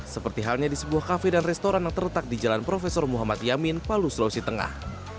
seperti halnya di sebuah kafe dan restoran yang terletak di jalan profesor muhammad yamin palu sulawesi tengah